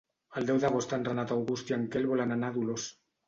El deu d'agost en Renat August i en Quel volen anar a Dolors.